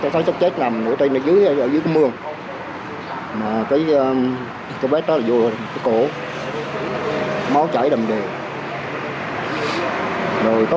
thì tao sắp chết nằm ngủ trên này dưới dưới mưa mà cái cho bé đó vui cổ máu chảy đầm đề rồi có